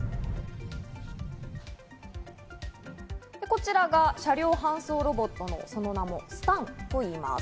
こちらが車両搬送ロボット、その名もＳｔａｎといいます。